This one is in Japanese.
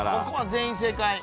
ここは全員正解。